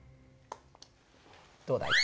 どうだい？